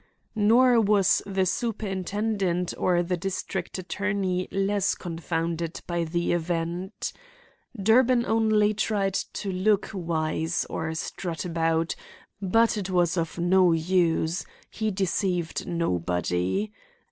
Nor was the superintendent or the district attorney less confounded by the event. Durbin only tried to look wise and strut about, but it was of no use; he deceived nobody.